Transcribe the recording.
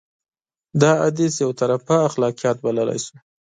دا حديث يو طرفه اخلاقيات بللی شو.